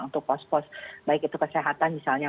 untuk pos pos baik itu kesehatan misalnya